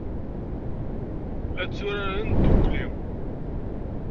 La tturaren ddukkli.